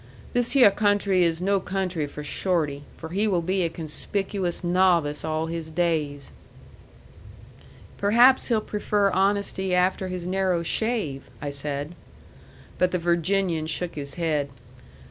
This hyeh country is no country for Shorty, for he will be a conspicuous novice all his days." "Perhaps he'll prefer honesty after his narrow shave," I said. But the Virginian shook his head.